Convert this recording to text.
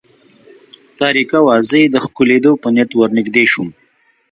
تاریکه وه، زه یې د ښکلېدو په نیت ور نږدې شوم.